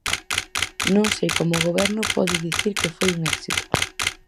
Non sei como o Goberno pode dicir que foi un éxito.